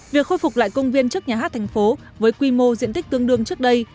việc khôi phục lại công viên trước nhà hát thành phố với quy mô diện tích tương đương trước đây